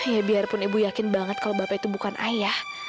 ya biarpun ibu yakin banget kalau bapak itu bukan ayah